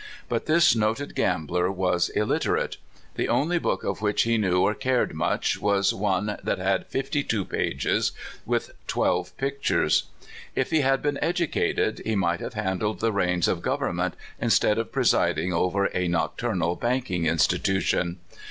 But this noted gambler was illiter ate. The only book of which he knew or cared much was one that had fifty two pages, with twelve LOXE MOCXTAIX. 89 pictures. If he had been educated, he might have handled the reins of government, instead of pre siding over a nocturnal banking institution.